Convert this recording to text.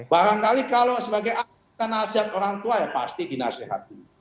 barangkali kalau sebagai anak yang nasihat orang tua ya pasti dinasihati